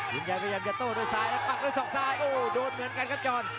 ยายพยายามจะโต้ด้วยซ้ายแล้วปักด้วยศอกซ้ายโอ้โหโดนเหมือนกันครับจร